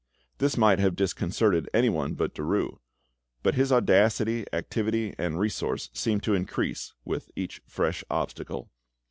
This might have disconcerted anyone but Derues, but his audacity, activity, and resource seemed to increase with each fresh obstacle.